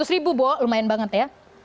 seratus ribu bu lumayan banget ya